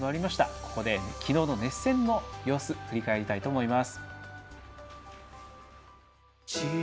ここで昨日の熱戦の様子を振り返りたいと思います。